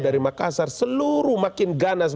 dari makassar seluruh makin ganas